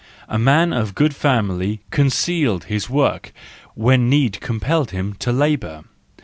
A man of good family concealed his work when need compelled him to labour.